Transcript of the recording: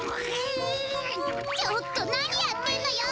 ちょっとなにやってんのよ！